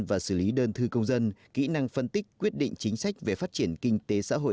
và xử lý đơn thư công dân kỹ năng phân tích quyết định chính sách về phát triển kinh tế xã hội